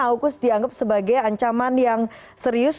aukus dianggap sebagai ancaman yang serius